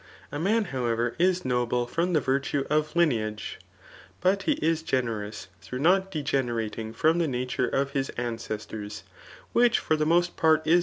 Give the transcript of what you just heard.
A man, however, is noble fiMi the virtue of lineage ; bot he is generous through tifyt degenerating from the nature fof hiB ancestors;] which for the^most part is.